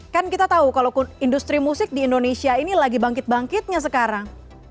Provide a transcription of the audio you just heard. kan kita tahu kalau industri musik di indonesia ini lagi bangkit bangkitnya sekarang